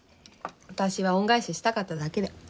私は恩返ししたかっただけで。